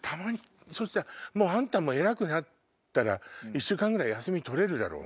あんたも偉くなったら１週間ぐらい休み取れるだろ。